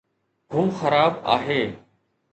هو خراب آهي